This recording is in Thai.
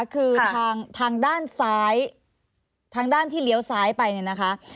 คือทางด้านซ้ายทางด้านที่เลี้ยวซ้ายไปเนี่ยนะคะ